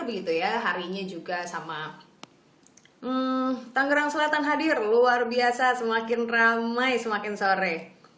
begitu ya harinya juga sama tangerang selatan hadir luar biasa semakin ramai semakin sore